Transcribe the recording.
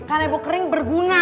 kan nebo kering berguna